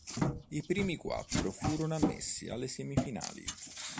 I primi quattro furono ammessi alle semifinali.